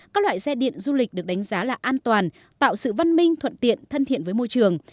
các loại xe điện du lịch được đánh giá là an toàn tạo sự văn minh thuận tiện thân thiện với môi trường